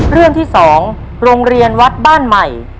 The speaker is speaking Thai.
เรื่องที่๒โรงเรียนวัดบ้านใหม่